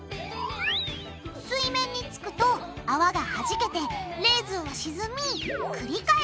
水面に着くとあわがはじけてレーズンは沈み繰り返す。